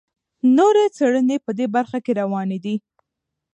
نورې څېړنې په دې برخه کې روانې دي.